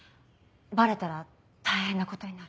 バレたら大変なことになる。